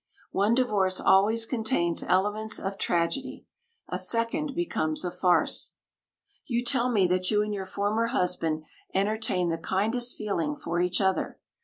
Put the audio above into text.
One divorce always contains elements of tragedy. A second becomes a farce. You tell me that you and your former husband entertain the kindest feeling for each other.